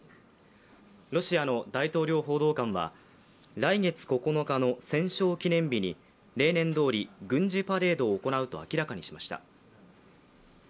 ロシアの大統領報道官は来月９日の戦勝記念日に例年どおり軍事パレードを行うと明らかにしました。